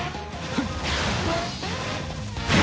フッ！